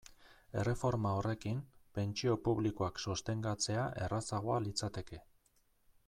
Erreforma horrekin, pentsio publikoak sostengatzea errazagoa litzateke.